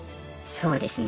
そうですね。